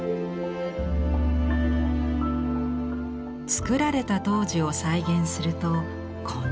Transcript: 作られた当時を再現するとこんな感じ。